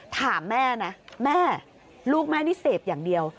ถามแม่นะแม่ลูกแม่นี่เสพอย่างเดียว